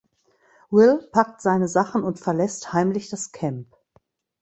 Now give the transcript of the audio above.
Will packt seine Sachen und verlässt heimlich das Camp.